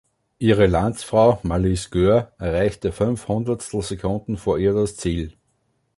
Ihre Landsfrau Marlies Göhr erreichte fünf Hundertstelsekunden vor ihr das Ziel.